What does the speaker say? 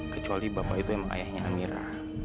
kecuali bapak itu emang ayahnya amira